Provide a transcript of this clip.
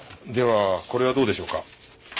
ではこれはどうでしょうか？